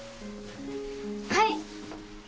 はい！